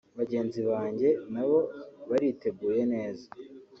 Bagenzi banjye na bo bariteguye neza